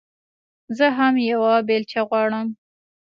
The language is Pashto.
زه هم يوه بېلچه غواړم.